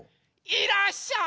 いらっしゃい！